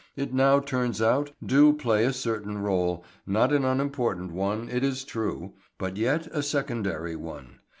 it now turns out, do play a certain role, not an unimportant one, it is true, but yet a secondary one.